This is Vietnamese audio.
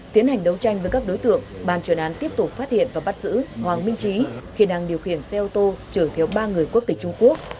tiến hành đấu tranh với các đối tượng bàn truyền án tiếp tục phát hiện và bắt giữ hoàng minh trí khi đang điều khiển xe ô tô chở theo ba người quốc tịch trung quốc